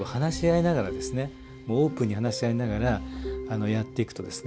オープンに話し合いながらやっていくとですね